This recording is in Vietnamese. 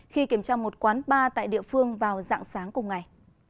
khi kiểm tra một quán bar tại địa phương vào dạng sáng cùng ngày